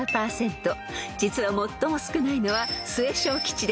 ［実は最も少ないのは］